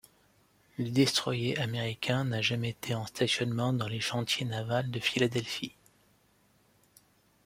Le destroyer américain n'a jamais été en stationnement dans les chantiers navals de Philadelphie.